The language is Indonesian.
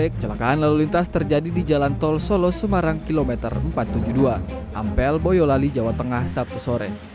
kecelakaan lalu lintas terjadi di jalan tol solo semarang kilometer empat ratus tujuh puluh dua ampel boyolali jawa tengah sabtu sore